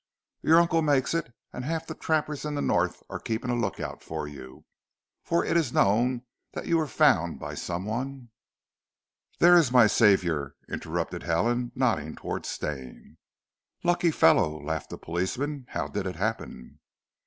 "Your uncle makes it; and half the trappers in the north are keeping a look out for you; for it is known that you were found by some one " "There is my saviour," interrupted Helen, nodding towards Stane. "Lucky fellow," laughed the policeman. "How did it happen?"